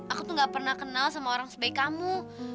aku tuh gak pernah kenal sama orang sebaik kamu